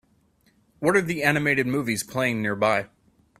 What are the animated movies playing nearby